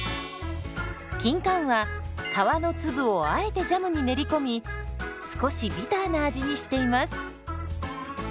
キンカンは皮の粒をあえてジャムに練り込み少しビターな味にしています。